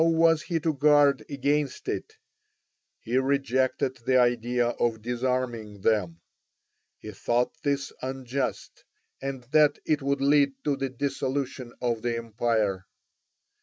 How was he to guard against it? He rejected the idea of disarming them; he thought this unjust, and that it would lead to the dissolution of the empire.